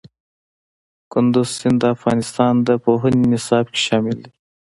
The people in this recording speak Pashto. کندز سیند د افغانستان د پوهنې نصاب کې شامل دی.